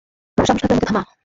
সাহস থাকলে আমাকে থামা।